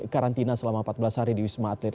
karantina selama empat belas hari di wisma atlet